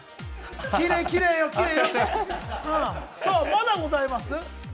まだございます？